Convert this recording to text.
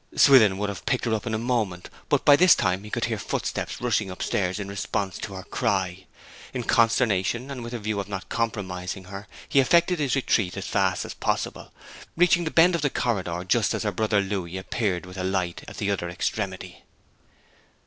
Swithin would have picked her up in a moment, but by this time he could hear footsteps rushing upstairs, in response to her cry. In consternation, and with a view of not compromising her, he effected his retreat as fast as possible, reaching the bend of the corridor just as her brother Louis appeared with a light at the other extremity.